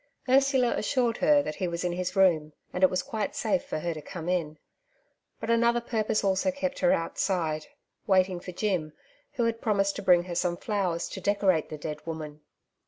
Ursula assured her that he was in his room, and it was quite safe for her to come in. But another purpose also kept her outside, waiting for Jim, who had promised to bring her some flowers to decorate the dead woman.